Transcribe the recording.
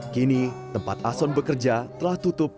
kini tempat ahson bekerja telah tutup